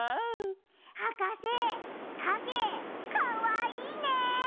はかせかげかわいいね。